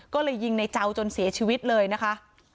ก็เลยยิงในเจ้าจนเสียชีวิตเลยนะคะ